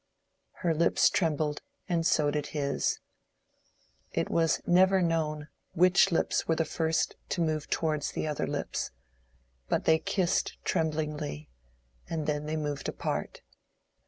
Her lips trembled, and so did his. It was never known which lips were the first to move towards the other lips; but they kissed tremblingly, and then they moved apart.